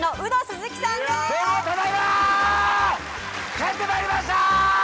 帰ってまいりました！